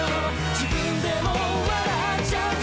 自分でも笑っちゃうくらい」